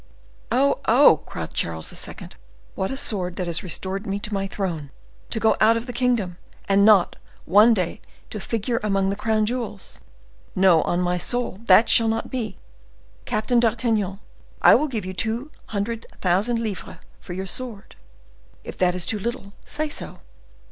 "Oh! oh!" cried Charles II.; "what a sword that has restored me to my throne—to go out of the kingdom—and not, one day, to figure among the crown jewels! No, on my soul! that shall not be! Captain d'Artagnan, I will give you two hundred thousand livres for your sword! If that is too little, say so."